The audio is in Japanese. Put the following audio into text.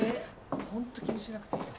ホント気にしなくていいよ。